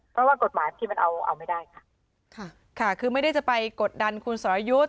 เพราะว่ากฎหมายคือมันเอาเอาไม่ได้ค่ะค่ะคือไม่ได้จะไปกดดันคุณสรยุทธ์